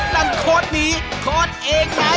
นั่นโคตรหนีโคตรเองไง